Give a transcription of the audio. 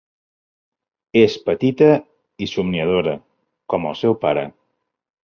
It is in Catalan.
És petita i somniadora, com el seu pare.